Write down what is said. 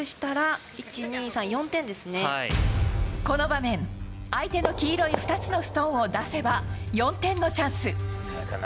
この場面、相手の黄色い２つのストーンを出せば４点のチャンス。